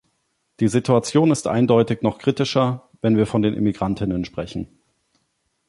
Die Situation ist eindeutig noch kritischer, wenn wir von den Immigrantinnen sprechen.